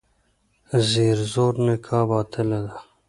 زیر زور نکاح باطله ده.